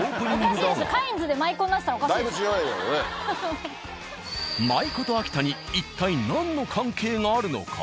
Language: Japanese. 舞妓と秋田に一体何の関係があるのか？